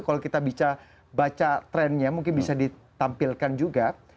kalau kita bisa baca trennya mungkin bisa ditampilkan juga